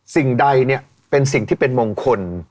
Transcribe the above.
สิ่งใดเป็นสิ่งที่เป็นโมงคล